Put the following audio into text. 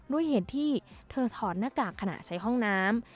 ด้วยเหตุที่เธอถอดหน้ากากขณะใช้ห้องน้ำ